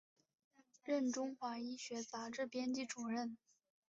任中华医学杂志编辑主任。